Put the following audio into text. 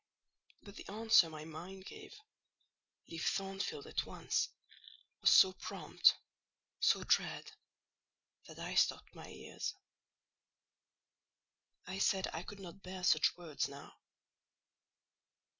But the answer my mind gave—"Leave Thornfield at once"—was so prompt, so dread, that I stopped my ears. I said I could not bear such words now.